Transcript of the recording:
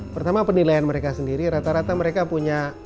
pertama penilaian mereka sendiri rata rata mereka punya